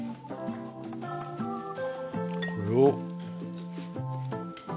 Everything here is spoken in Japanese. これを。